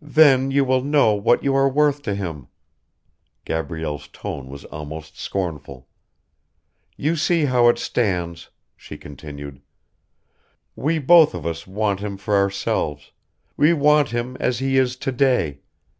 "Then you will know what you are worth to him." Gabrielle's tone was almost scornful. "You see how it stands," she continued. "We both of us want him for ourselves, we want him as he is to day